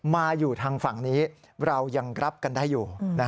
มาอยู่ทางฝั่งนี้เรายังรับกันได้อยู่